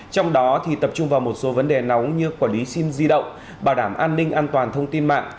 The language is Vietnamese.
trong đó tập trung vào một số vấn đề nóng như quản lý sim di động bảo đảm an ninh an toàn thông tin mạng